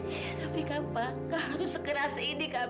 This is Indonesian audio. iya tapi kakak kalau segera segini kakak